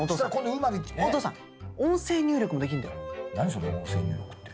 それ音声入力って。